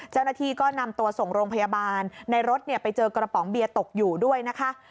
เจ้าหน้าที่ก็นำตัวส่งโรงพยาบาลในรถไปเจอกระป๋องเบียร์ตกอยู่ด้วยนะคะ